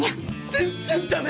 全然ダメ！